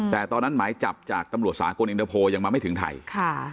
แต่ตอนนั้นไม้จัดจากตำรวจศาโกลอิงโดโภก็ยังมาไม่ถึงไทยค่ะ